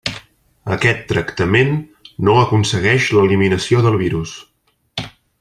Aquest tractament no aconsegueix l'eliminació del virus.